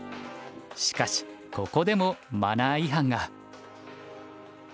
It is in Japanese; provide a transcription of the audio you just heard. しかしここでもマナー違反が。